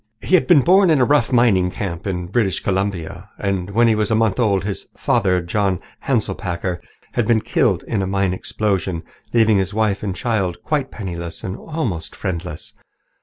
He had been born in a rough mining camp in British Columbia, and when he was a month old his father, John Hanselpakker, had been killed in a mine explosion, leaving his wife and child quite penniless and almost friendless.